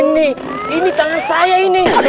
dan ketiga sudah jadi ido